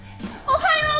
おはよう。